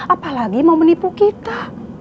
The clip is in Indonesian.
apalagi mau menipu kita